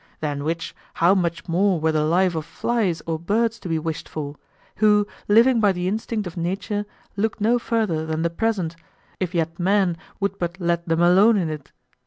Than which how much more were the life of flies or birds to be wished for, who living by the instinct of nature, look no further than the present, if yet man would but let them alone in it.